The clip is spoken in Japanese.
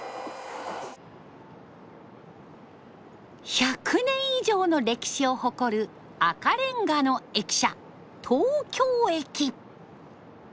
１００年以上の歴史を誇る赤レンガの駅舎東京駅。